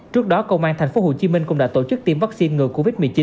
trước đó công an tp hcm cũng đã tổ chức tiêm vaccine ngừa covid một mươi chín